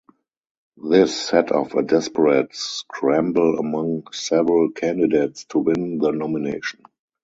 This set off a desperate scramble among several candidates to win the nomination.